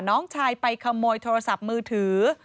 น้องชายไปขโมยโทรศัพท์มือถือ